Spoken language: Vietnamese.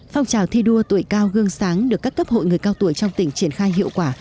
phong trào thi đua tuổi cao gương sáng được các cấp hội người cao tuổi trong tỉnh triển khai hiệu quả